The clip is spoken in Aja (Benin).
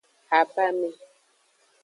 Habame.